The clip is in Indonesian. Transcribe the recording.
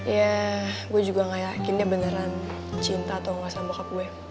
ya gue juga gak yakin dia beneran cinta atau gak sama ke gue